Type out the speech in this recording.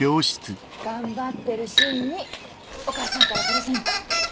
頑張ってる芯にお母さんからプレゼント。